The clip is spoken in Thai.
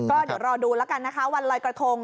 ก็เดี๋ยวรอดูแล้วกันนะคะวันลอยกระทง